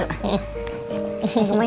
ini om bayi